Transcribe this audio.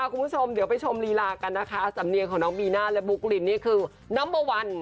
คุณผู้ชมเดี๋ยวไปชมลีลากันนะคะสำเนียงของน้องบีน่าและบุ๊กลินนี่คือนัมเบอร์วัน